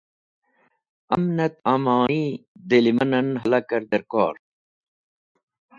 Amnẽt amoni dẽlemanẽn helakẽr dẽrkor.